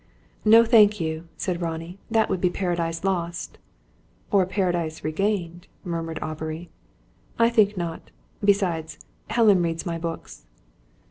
"No, thank you," said Ronnie. "That would be Paradise Lost." "Or Paradise Regained," murmured Aubrey. "I think not. Besides Helen reads my books."